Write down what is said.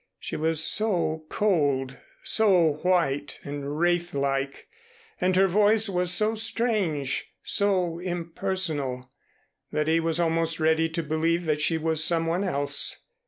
She was so cold, so white and wraithlike, and her voice was so strange, so impersonal, that he was almost ready to believe that she was some one else.